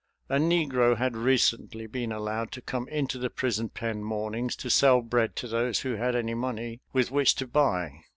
A negro had recently been allowed to come into the prison pen mornings to sell bread to those who had any money with which to buy.